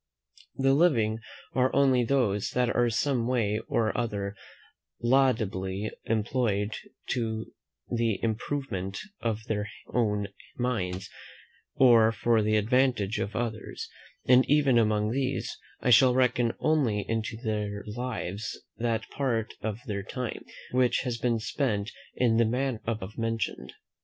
The living are only those that are some way or other laudably employed in the improvement of their own minds, or for the advantage of others; and even among these, I shall only reckon into their lives that part of their time which has been spent in the manner above mentioned.